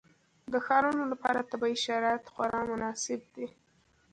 د ښارونو لپاره طبیعي شرایط خورا مناسب دي.